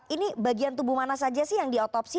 ini bagian tubuh mana saja sih yang diotopsi